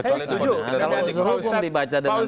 saya setuju kalau dihukum dibaca dengan